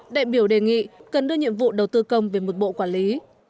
đại biểu đề nghị cần đưa nhiệm vụ đầu tư công về một bộ quản lý